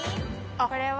これは。